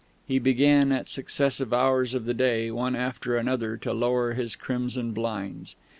He began, at successive hours of the day, one after another, to lower his crimson blinds.